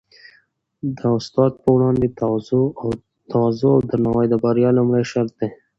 د استاد په وړاندې تواضع او درناوی د بریا لومړی شرط دی.